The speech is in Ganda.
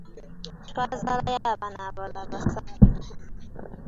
Twazaalayo abaana abalala basatu.